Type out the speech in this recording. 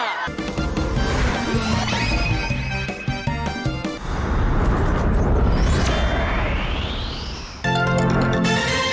อ้าว